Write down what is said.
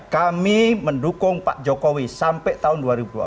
kami mendukung pak jokowi sampai tahun dua ribu dua puluh empat